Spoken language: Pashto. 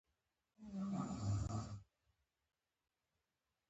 د افغانستان د اقتصادي پرمختګ لپاره پکار ده چې آنلاین سوداګري وي.